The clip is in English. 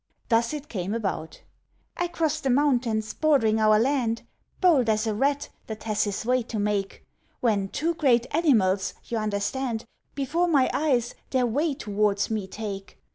Thus it came about "I crossed the mountains bordering our land, Bold as a Rat that has his way to make; When two great animals, you understand, Before my eyes, their way towards me take.